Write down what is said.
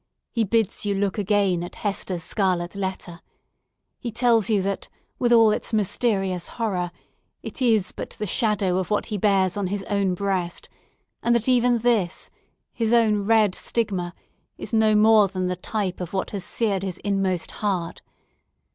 He bids you look again at Hester's scarlet letter! He tells you, that, with all its mysterious horror, it is but the shadow of what he bears on his own breast, and that even this, his own red stigma, is no more than the type of what has seared his inmost heart!